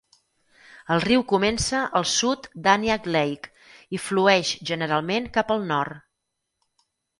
El riu comença al sud d'Aniak Lake i flueix generalment cap al nord.